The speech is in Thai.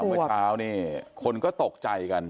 เมื่อเช้านี่คนก็ตกใจกัน